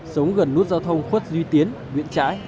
sống gần nút giao thông khuất duy tiến nguyễn trãi